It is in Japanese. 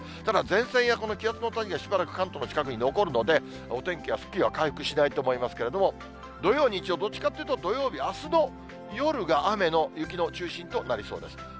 ただ、前線やこの気圧の谷がしばらく関東の近くに残るので、お天気はすっきりは回復しないと思いますけれども、土曜、日曜、どっちかっていうと土曜日、あすの夜が雨の、雪の中心となりそうです。